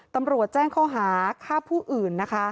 ตำรวจแจ้งข้อหาฆ่าผู้อื่นนะคะ